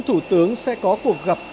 thủ tướng sẽ có cuộc gặp